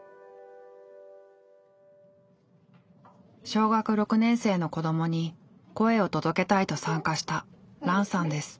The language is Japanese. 小学６年生の子どもに声を届けたいと参加したランさんです。